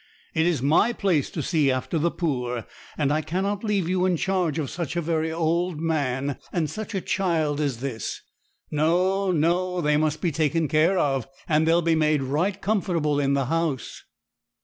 It is my place to see after the poor, and I cannot leave you in charge of such a very old man and such a child as this, No, no; they must be taken care of; and they'll be made right comfortable in the House.'